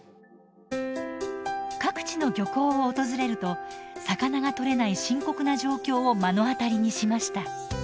各地の漁港を訪れると魚が獲れない深刻な状況を目の当たりにしました。